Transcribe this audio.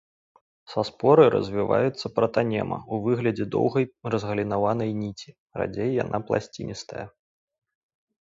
Са споры развіваецца пратанема ў выглядзе доўгай разгалінаванай ніці, радзей яна пласціністая.